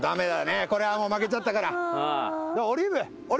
これはもう負けちゃったから。